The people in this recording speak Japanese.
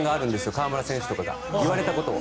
河村選手とかが言われたことを。